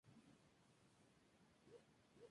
Bologna ganó su sexto "scudetto".